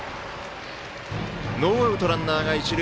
ノーアウト、ランナーが一塁。